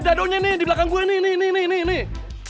dado nya nih di belakang gue nih